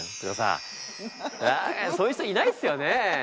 そういう人いないっすよね。